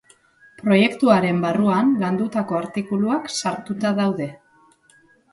Proiektu haren barruan landutako artikuluak sartuta daude.